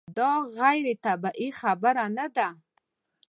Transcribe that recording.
دا غیر طبیعي خبره نه ده.